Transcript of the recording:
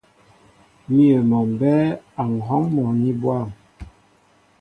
Míyə mɔ mbɛ́ɛ́ a ŋ̀hɔ́ŋ mɔní bwâm.